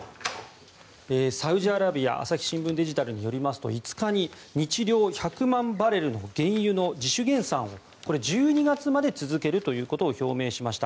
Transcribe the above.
サウジアラビア朝日新聞デジタルによりますと５日に日量１００万バレルの原油の自主減産を１２月まで続けるということを表明しました。